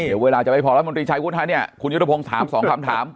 เดี๋ยวเวลาจะไปพอแล้วมันตรีชัยวุฒิว่าเนี่ยคุณยุทธพงศ์ถามสองคำถาม